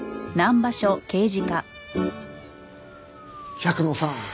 百野さん